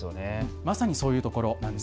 まさにそういうところなんです。